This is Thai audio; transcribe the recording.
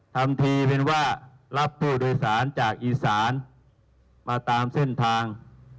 ทำทีเป็นว่ารับผู้โดยสารจากอีสานมาตามเส้นทาง